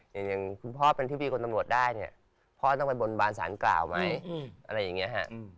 อย่างคุณพ่อเป็นที่มีคนตำรวจได้พ่อต้องไปบนบานสารกล่าวไหม